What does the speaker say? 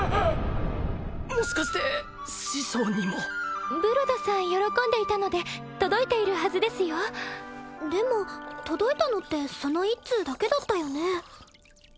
もしかして師匠にもブロドさん喜んでいたので届いているはずですよでも届いたのってその一通だけだったよね？